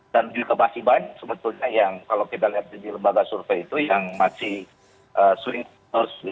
dan juga masih banyak sebetulnya yang kalau kita lihat di lembaga survei itu yang masih swing toss